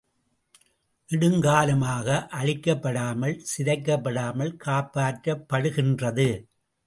நெடுங் காலமாக அழிக்கப்படாமல், சிதைக்கப்படாமல் காப்பாற்றப்படுகின்றது.